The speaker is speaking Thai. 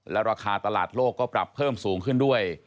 ราคาตลาดโลกก็ปรับเพิ่มสูงขึ้นด้วย